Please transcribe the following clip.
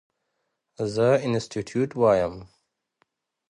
زه انسټيټيوټ وایم.